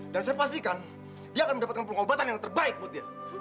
dan saya pastikan dia akan mendapatkan pengobatan yang terbaik buat dia